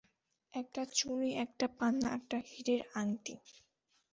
একটা চুনি, একটা পান্না, একটা হীরের আংটি।